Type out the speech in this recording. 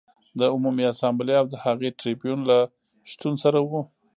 د عمومي اسامبلې او د هغې د ټربیون له شتون سره و